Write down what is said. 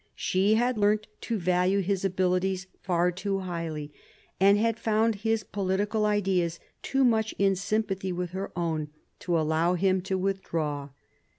She had learnt to value his abilities far too highly, and had found his political ideas too much in sympathy with her own to allow him to withdraw.